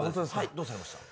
どうされました？